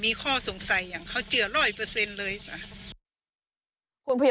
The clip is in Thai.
มีข้อสงสัยเจือก็ธูปรัง๑๐๐เฉีย่นเลย